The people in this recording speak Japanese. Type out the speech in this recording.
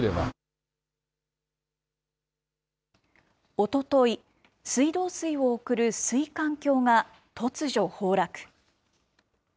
おととい、水道水を送る水管橋が突如崩落。